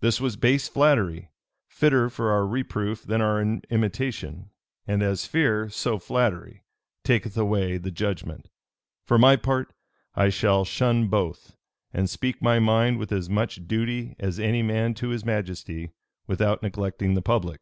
This was base flattery, fitter for our reproof than our imitation; and as fear, so flattery, taketh away the judgment. For my part, I shall shun both; and speak my mind with as much duty as any man to his majesty, without neglecting the public.